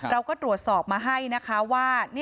เราก็ตรวจสอบมาให้นะคะว่า